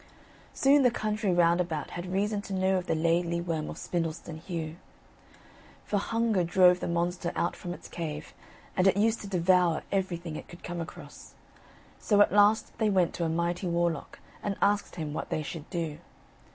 Soon the country round about had reason to know of the Laidly Worm of Spindleston Heugh. For hunger drove the monster out from its cave and it used to devour everything it could come across. So at last they went to a mighty warlock and asked him what they should do.